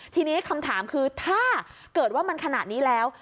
ทีนี้คำถามคือถ้าเกิดว่ามันขนาดนี้แล้ว